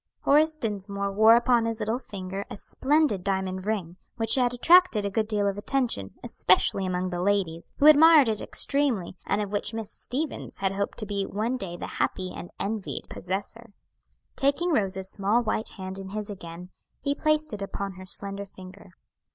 Horace Dinsmore wore upon his little finger a splendid diamond ring, which had attracted a good deal of attention, especially among the ladies; who admired it extremely, and of which Miss Stevens had hoped to be one day the happy and envied possessor. Taking Rose's small white hand in his again, he placed it upon her slender finger.